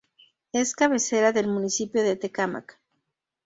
Es cabecera del municipio de Tecámac.